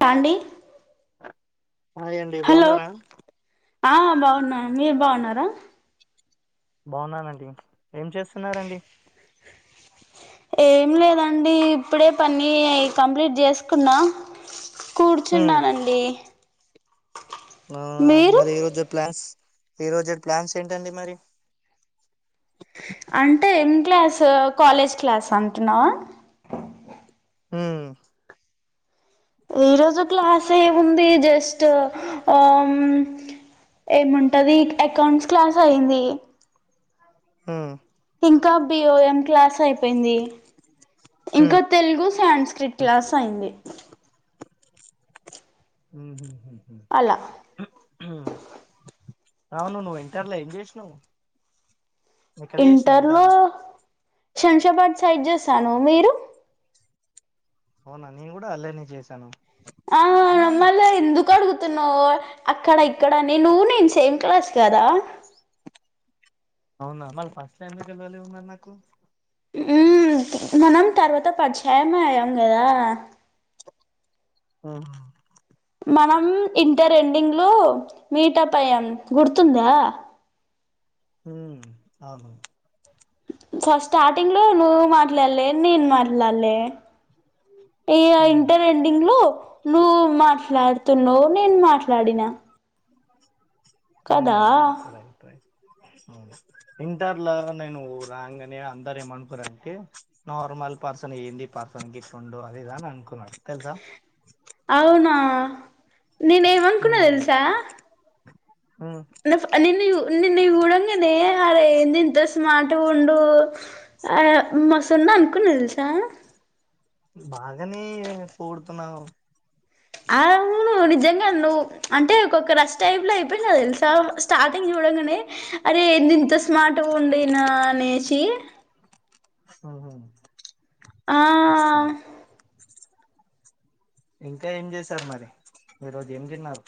తాండీ hi అండి బాగున్నారా ఆ బాగున్నాన్ మీరు బాగున్నారా బాగున్నానండి ఏం చేస్తున్నరండి ఏం లేదండి ఇప్పుడే పని కంప్లీట్ చేసుకున్నా కూర్చున్నానండి అవునా మీరు మరి ఈ రోజు క్లాస్ ఈరోజు క్లాస్ ఏంటండి మరి అంటే ఏం క్లాస్ కాలేజ్ క్లాస్ అంటున్నావా ఉమ్ ఈరోజు క్లాస్ ఏముంది జస్ట్ ఆమ్ ఏముంటది అకౌంట్స్ క్లాస్ అయింది ఉమ్ ఇంకా బిఓఎం క్లాస్ అయిపోయింది ఇంకా తెలుగు సై స్క్రిట్ క్లాస్ అయింది ఉహు హ్మ్ అలా అవును నువ్వు ఇంటర్ల ఏం జెసినవ్ ఇంటర్ లో శంషాబాద్ సైడ్ చేసాను మీరు అవునా నేను కూడా అళ్లనే చేశాను ఆ మళ్ళా ఎందుకు అడుగుత తున్నావ్ అక్కడ ఇక్కడని నువ్వు నేను సేమ్ క్లాస్ కదా అవునా మళ్ళ ఫస్ట్ టైమ్ ఎందుకు కలవలేవు నాకు ఉమ్ మనం తర్వాత పరిచయం అయ్యాం గదా ఉహ్మ్ మనం ఇంటర్ ఎండింగ్ లో మీటప్ ఐయామ్ గుర్తుందా ఉమ్ అవును ఫస్ట్ స్టార్టింగ్ లో నువ్ మాట్లాడలే నేను మాట్లాడలే ఈగ ఉమ్ ఇంటర్ ఎండింగ్ లో నువ్వు మాట్లాడుతున్నావు్ నేను మాట్లాడినా కదా ఉమ్ రైట్ రైట్ అవును ఇంటర్ ల నేను రాంగానే అందర ఏమనుకుర్ అంటే నార్మల్ పర్సన్ ఏంది పర్సన్ గిట్లుండు అదిదానుకున్నారు తెల్సా అవునా నేను ఏమనుకున్నా తెల్సా నిన్న నిన్ను చూడంగనే అరే ఏందీ ఇంత స్మార్ట్ గా ఉండు ఆ మస్ స్తున్నా అనుకున్న తెలుసా కనీ పొగుడుతున్నావ్ ఆవును నిజంగా నువ్ అంటే ఒకోక్క రష్ టైప్ లో అయిపోయినావ్ తెలుసా స్టార్టింగ్ చూ చూడంగానే అరే ఎంది ఇంత స్మార్ట్గా ఉండేనా అనేసి ఉహ్మ్ ఆ ఇంకా ఏం చేసారు మరి ఈ రోజు ఏం తిన్నారు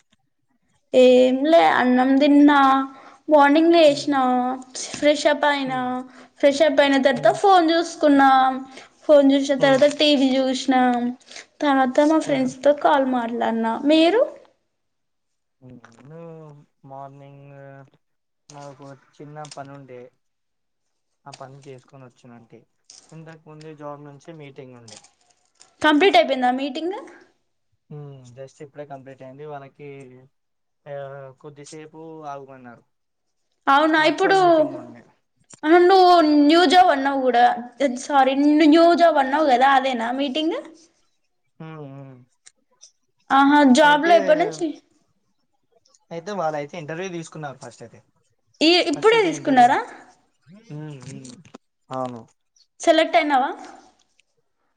ఎం లే అన్నం తిన్నా మార్నింగ్ లేశ్న ఫ్రెషపైన ఫ్రెషప్ అయిన తర్వాత ఫోన్ చూసుకున్నాం ఫోన్ చూస్న తర్వాత టీవీ చూసిన తర్వాత మా ఫ్రెండ్స్ తో కాల్ మాట్లాడినా మీరు ను మార్నింగు నాకు చిన్న ప్పనుండి ఆ పని చేసుకొని ఒచ్చునంటి ఇంతకుముందే జాబ్ నుంచి మీటింగ్ ఉండే కంప్లీట్ అయిపోయిందా మీటింగ్ మ్ జస్ట్ ఇప్పుడే కంప్లీట్ అయ్యింది వాళ్ళకి ఆ కొద్దిసేపు ఆగుమన్నారు అవునా ఇప్పుడు వర్చువల్ మీటింగ్ ఉండే అ నువు న్యూ జాబ్ అన్నావు గూడా సారీ న్యూ జాబ్ అన్నవు కదా అదేనా మీటింగ్ మ్ మ్ ఆహా జాబ్ లో ఇప్పనుంచి అయితే వాళ్ళైతే ఇంటర్వ్యూ తీసుకున్నారు ఫస్ట్ అయితే ఈ ఇప్పుడే తీసుకున్నారా మ్ అవును టైనావా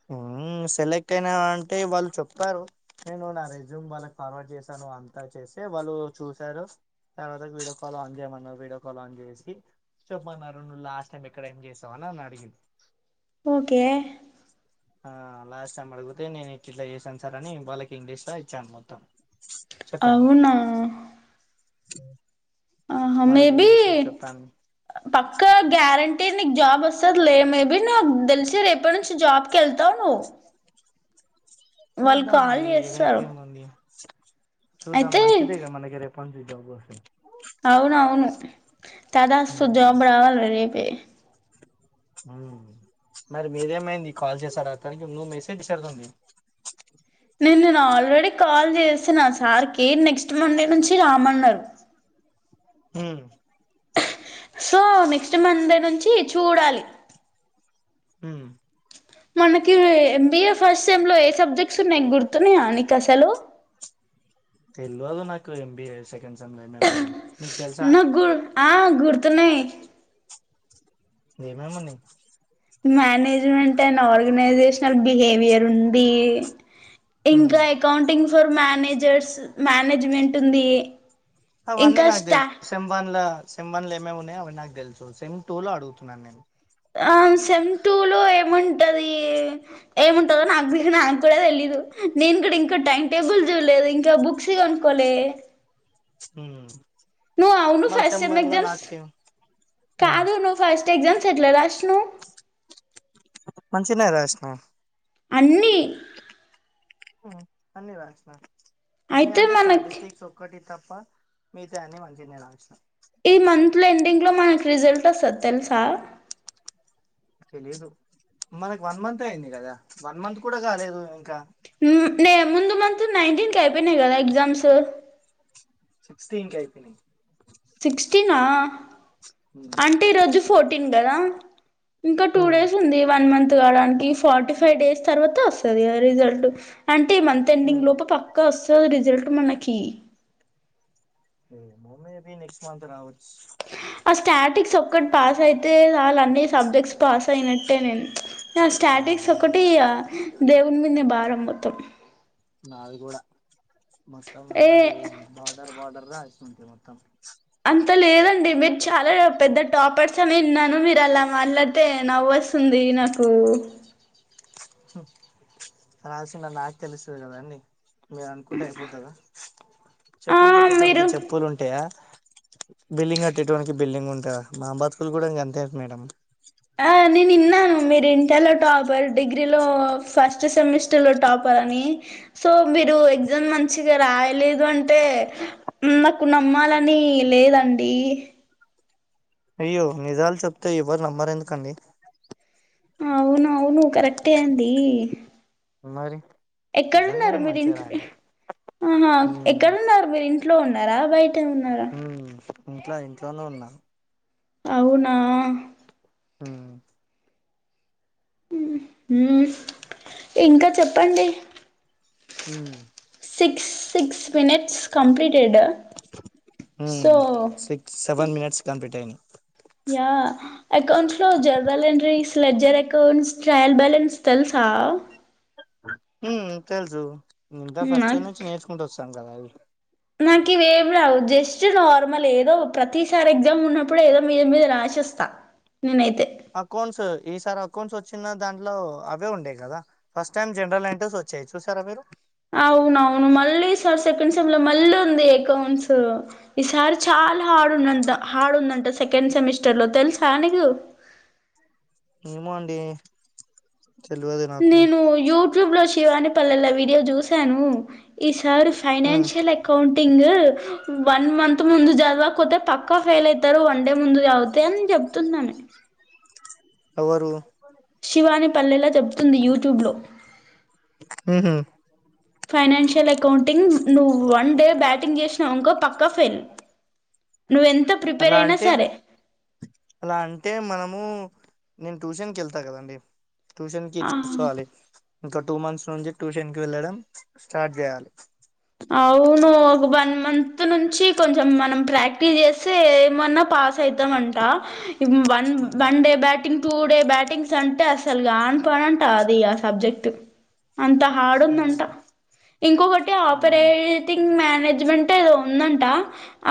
హుమ్ మ్ సెలెక్ట్ అయినా అంటే వాళ్ళు చెప్పారు నేను నా రెజ్యూమ్ వాళ్ళకి ఫార్వర్డ్ చేశాను అంతా సే వాళ్ళు చూశారు తర్వాత వీడియో కాల్ ఆన్ చేయమన్నారు వీడియో కాల్ ఆన్ చేసి చెప్పమన్నారు నువ్వు లాస్ట్ టైమ్ ఎక్కడ ఏం చేసావని నన్ను అడిగిరు ఓకే ఆ లాస్ట్ టైమ్ అడుగుతే నేను ఇట్లీట్లా చేసాను సార్ అని వాళ్ళకి ఇంగ్లీష్లఇచ్చాను మొత్తం చెప్పాను అవునా ఆహా వాళ్ళకి మేబి ఇంగ్లీష్లో చెప్పాను పక్క గ్యారంటీ నిక్ జాబ్ ఒస్ స్తలే మేబి నాక్ తెలిసి రేపట్నుంచి జాబ్ కెల్తవ్ నువ్ చూద్దామండి ఏదైతే ఏముంది చూద్దాం అయితే మంచిదే కాద మనకి రేపట్నుంచి జాబ్ ఒస్తే అవునవును తదాస్తు జాబ్ ఉమ్ రావాలి రేపే ఆ మరి మీదేమైంది కాల్ చేసాడతనికి నువ్వు మెసేజ్ చేసేడిదుండే న్ నేను ఆల్రెడీ కాల్ చేసిన ఆ సార్కి నెక్స్ట్ మండే నుంచి రామన్నారు మ్ సో నెక్స్ట్ మండే నుంచి చూడాలి మ్ మనకి ఎంబీఏ ఫస్ట్ సెమ్లో ఏ సబ్జెక్ట్స్ ఉన్నాయ్ గుర్తున్నాయ నీకసలు తెల్వదు నాకు ఎంబీఏ సెకండ్ సెమ్లో ఏమేం ఉన్నాయో నిక్ తెల్సా నాకు గు ఆ గుర్తున్నయ్ ఏమెమున్నాయ్ మేనేజ్మెంట్ అండ్ ఆర్గనైజేషనల్ బిహేవియర్ ఉంది ఉమ్ ఇంకా అకౌంటింగ్ ఫర్ మేనేజర్స్ మేనేజ్మెంట్ ఉంది అవన్ని ఇంకా నాక్ స్టా తెలుసు సేమ్ వన్ల సేమ్ వన్ల ఏమున్నాయో అవ్వన్నీ నాకు తెలుసు సెమ్ టూ లో అడుగుతున్నాను నేను ఆ సెమ్ టూ లో ఏముంటది ఏముంటదో నాకు బి నాకు కూడా తెలీదు నేను కూడా ఇంకా టైమ్ టేబుల్ చూలేదు ఇంకా బుక్స్ కోనుకోలే మ్ నువ్వు అవును ఫస్ సేమ్ ఎగ్జామ్స్ ఉమ్ కాదు నువ్వు ఫస్ట్ ఎగ్జామ్స్ ఎట్లా రాసినావ్ మంచిగానే రాసిన అన్ని ఉమ్ అన్ని వసిన అన్న అయితే అంటే మనకి స్టాటిస్టిక్స్ ఒక్కటి తప్ప తప్ప మిగతా అన్ని మంచిగానే రాసిన ఇలో మనకు రిజల్ట్స్ ఒస్తది తెలుసా తెలీదు మనకి వన్ మంత్ అయింది కదా వన్ మంత్ కూడా కాలేదు ఇంకా నేనేటిన్ కి ఐపోయినయ్ కదా ఎగ్జామ్స్ సిక్సటీన్ కి ఐతాయ్ సిక్స్టీీనా అంటే ఈరోజు ఫోర్టీన్ కదా ఇంకా టూ డేస్ ఉమ్ ఉంది one month forty five days తరువాత ఒస్తది కదా రిజల్ట్ అంటే మంత్ ఎండింగ్ లోపు పక్కా వస్తుంది రిజల్ట్ మనకి మయ్బె నెక్స్ట్ మంత్ రావచ్చు ఆ స్టాటిక్స్ ఒక్కటి పాస్ అయితే చాలు అన్ని సబ్జెక్ట్స్ పాస్ అయినట్టే నేను ఆ స్టాటిక్స్ ఒకటి ఈఘ దేవుని మీదనే బారం మొత్తం నాది కూడా మొత్తం ఏ అది బార్డర్ బార్డర్ రా వస్తుంటే మొత్తం అంత లేదండి మీరు చాలా పెద్ద టాపర్స్ అనే విన్నాను మీరు మీరు అలా మాట్లాడితే నవ్వొస్తుంది నాకు హు రాసిన నాకు తెలుసది కదా అండి మీరు అనుకుంటే అయిపోతుదా ఆ చెప్పులు మీరు కొట్టేటవనికి చెప్పులు ఉంటాయా బిల్డింగ్ అట్టేటువనికి బిల్డింగ్ ఉంటుందా మాబతుకులు కూడా ఇంక అంతే మేడం ఆ నేను విన్నాను మీరు ఇంటర్లో టాపర్ డిగ్రీలో ఫస్ట్ సెమిస్టర్లో టాపర్ అని సో మీరు ఎగ్జామ్ మంచిగా రాయలేదు అంటే నాకు నమ్మాలని లేదాండి అయ్యో నిజాలు చెప్తే ఎవరు నమ్మరు ఎందుకండీ ఆవును ఆవును కరెక్ట్ అండీ మరి నిజంగా ఎక్కడున్నారు నేను మీరు మంచిగా ఇంట్ రాయలేదు ఆహా హ్మ్ ఎక్కడున్నారు మీరు ఇంట్లో ఉన్నారా బయట ఉన్నారా ఉ ఇంట్లో ఇంట్లోనే ఉన్నా అవునా ఉమ్ ఇంకా చెప్పండి హు సిక్స్ మనిట్స్ కంప్లీట్ టడా so hmm six seven minutes complete అయినాయి యా అకౌంట్స్ లో general entries ledger accounts, trial balance తెలుసా ఉమ్ తెలుసు ఇంటర్ ఫస్టుఇయర్ నాక్ నుంచి నేర్చుకుంటూ వస్తాం కదా అవి నాకు ఇవేమి రావు జస్ట్ నార్మల్ ఏదో ప్రతిసారి ఎగ్జామ్ ఉన్నప్పుడు ఏదో మీద మీద రాసి వస్తా నేనైతే అకౌంట్స్ ఈసారి అకౌంట్స్ వచ్చిన దాంట్లో అవే ఉండేయ్ కదా ఫస్ట్ టైమ్ జనరల్ అంటర్స్ వచ్ చ్చాయ్ చూసారా మీరు అవునవును మళ్ళీ ఈసారికి సెకండ్ సేమ్ లో మళ్ళీ ఉంది అకౌంట్స్ ఈ సారి చాలా హార్డ్ ఉందంట హార్డ్ ఉందంట సెకండ్ సెమిస్టర్ లో తెలుసా దు ఏమో అండి తెలియదు నాకు నేను యూట్యూబ్ లో శివాని పల్లెల వీడియో జూశాను సార్ హ్మ్ financial accounting one month ముందు చదవక్ పొతే పక్కా ఫెయిల్ అయితరు వన్ డే ముందు చదువ్తె అని చెప్ ఎవరు శివాని పల్లెలా చెబుతుంది యూట్యూబ్ లో ఉహు ఫైనాన్షియల్ అకౌంటింగ్ నువ్వు వన్ డే బ్యాటింగ్ చేసినవన్కో పక్కా ఫెయిల్ నువ్వెంత ప్రిపేర్ అలా అయినా అంటే సరే అలా అంటే మనము నేను ట్యూషన్ కేళ్త కదండి ట్యూషన్ కి చూసుకోవాలి ఇంక టూ మంత్స్ నుంచి ట్యూషన్ కి వెళ్ళడం స్టార్ట్ జేయాలి అవునూ ఒక వన్ మంత్ నుంచి కొంచెం మనం ప్రాక్టీస్ చేస్తే ఏమన్న ప పాస్ అవుతమంట ఇ one one day batting two day battings అంటే అసల్ గానీ పనంట అది ఆ సబ్జెక్ట్ అంత హాడూందంట ఇంకొకటి ఆ పరేటింగ్ మేనేజ్మెంట్ ఏదో ఉందంట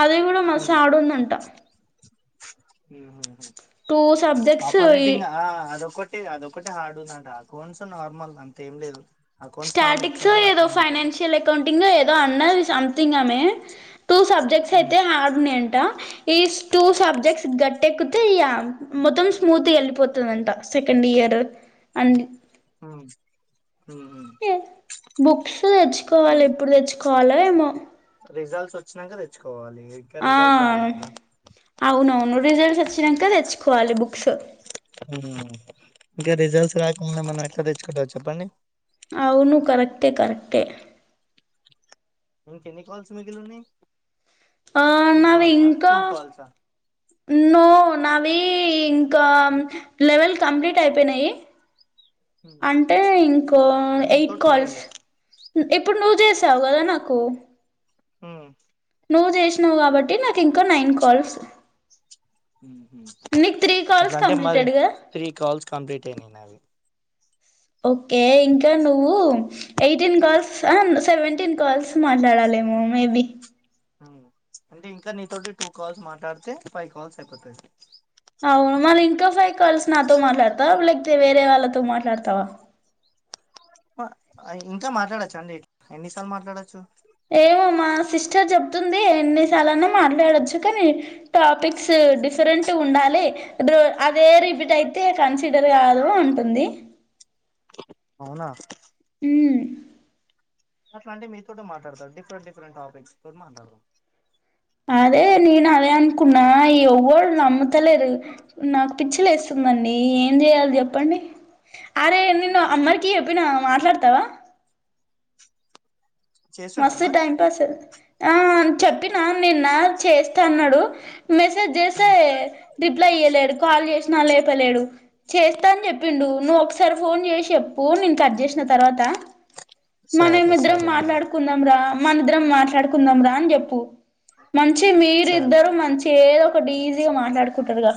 అది గూడా మస్ హార్డూందంట టూ సబ్జెక్ట్స్ ఆపరేటింగ్ ఆ అదొకటి అదొకటే హార్డు ఉందంట అకౌంట్స్ నార్మల్ అంత ఏం లేదు అకౌంట్స్ మనం స్టాటిక్స్ ఎట్లుంటదో ఏదో అట్లనే ఉంటది ఫైనాన్షిల్ అకౌంటింగ్ ఏదో అన్నది సమ్ థింగ్ ఆమే టూ సబ్జెక్ట్స్ అయితే హర్డూన్నాయంట ఈస్ టూ సబ్జెక్ట్స్ గట్టేక్కితే ఇగ మొత్తం స్మూత్ గా వెళ్ళిపోతదంట సెకండ్ ఇయ ర్ అన్న్ హ అహ బుక్స్ తెచ్చుకోవాలి ఎప్పుడు తెచ్చుకోవలో ఏమో రిజల్ట్స్ ఒచ్చినంక తెచ్చుకోవాలి ఇంకా రిజల్ట్స్ రాలే ఆహ్ కదా అవునవును రిజల్ట్స్ ఒచ్చినంక తెచ్చుకోవాలి బుక్స్ మ్ హు ఇంకా రిజల్ట్స్ రాకముందే మనం ఎట్ల తెచ్చుకుంటాం చెప్పండి అవును కరెక్టే కరెక్టే ఇంకెన్ని కాల్స్ మిగిలున్నయ్ ఆ నావి ఇంకా కాల్సా నో నావి ఇంకా లెవెల్ కంప్లీట్ అయిపోయినాయి అంటే ఇంకో దీంతో ఎయిట్ కాల్స్ టువెల్ ఇప్పుడు నువ్వు చేసావు గదా నాకు మ్ నువ్వు చేశినవ్ కాబట్టి నాకు ఇంకొ నైన్ కాల్స్ మ్ హు నీకు త్రీ కాల్స్ అట్లంటే మరి కంప్లీటెడ్ గా త్రీ కాల్స్ కంప్లీట్ అయినై నావి ఓకే ఇంకా నువ్వు ఎయిటీన్ కాల్స్ అ సెవెంటీన్ కాల్స్ మాట్లాడాలేమో మేబి హ్మ్ అంటె ఇంక నీతోటి టూ కాల్స్ మాట్లాడితే ఫై కాల్స్ అయిపోతాయ్ అవును మళ్ళీ ఇంకా ఫై కాల్స్ నాతో మాట్లాడతవా లేకపోతే వేరే వాళ్ళతో మాట్లాడుతవా ప ఇంకా మాట్లాడొచ్చా అండి ఎన్నిసార్లు మాట్లాడొచ్చు ఏమో మా సిస్టర్ చెప్తుంది ఎన్నిసార్లైనా మాట్లాడొచ్చు కనీ టాపిక్స్ డిఫరెంట్ గుండాలి డ్రొ అదే రిపీట్ అయితే కన్సిడర్ గాదు అంటుంది అవునా ఉమ్ అట్లంటె మీతోటె మాట్లాడత డిఫరెంట్ డిఫరెంట్ టాపిక్స్ తోటి మాట్లాడదం అదే నేను అదే అనుకున్న ఈ ఎవ్వడ్ నమ్ముతలేరు నాకు పిచ్చిలేస్ తుందండి ఏం జెయాలి చెప్పండి అరే నేను మాట్లాడదాం అమ్మర్ కి జేప్పిన మాట్లాడతవా చేస్తున్నా మస్తు మరి టైం పాస్ ఆ చెప్పినా నిన్న చేస్తా అన్నాడు మెసేజ్ చేస్తే రిప్లై ఇయలేడు కాల్ చేసినా లే ప్తలేడు చేస్తా అని చెప్పిండు నువ్వు ఒకసారి ఫోన్ చేసి చెప్పు నేను కట్ చేసిన తర్వాత మనం సరే ఇద్దరం సరే మరి మాట్లాడు కుంద్దాంరా మనిద్దరం మాట్లాడుకుందాం రా అని చెప్పు మంచి సరే మీరిద్దరు మంచిగ ఏదో ఒకటి ఈజీగా మాట్లాడుకుంటారుగా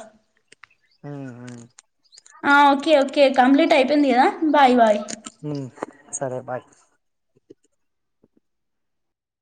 ఉమ్ ఉమ్ ఆ ఓకే ఓకే కంప్లీట్ అయిపోయింది కదా బాయ్ బాయ్ సరే బాయ్